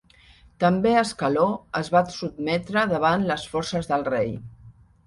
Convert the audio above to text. També Ascaló es va sotmetre davant les forces del rei.